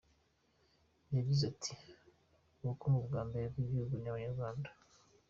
Yagize ati"Ubukungu bwa mbere bw’igihugu ni Abanyarwanda.